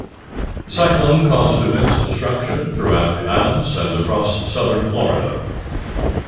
The cyclone caused immense destruction throughout the islands and across southern Florida.